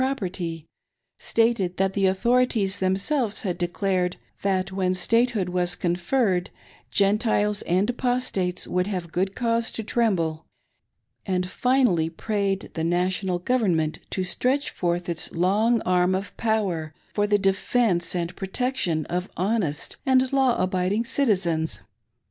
6o7' property ; stated that the authorities themselves had declared that when statehood was conferred, Gentiles and Apostates would have good cause to tremble; and, finally, prayed the National Government to stretch forth its long arm of power for the defence and protection of honest and law abiding citi zens.